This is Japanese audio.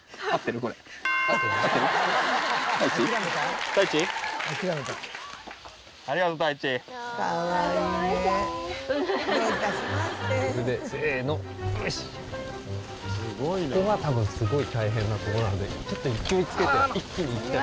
ここが多分すごい大変なとこなのでちょっと勢いつけて一気に行きたい。